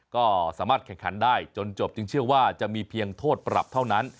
ก็สามารถแข่งขันได้จนจบจึงเชื่อว่าจะมีเพียงโทษปรับเท่านั้น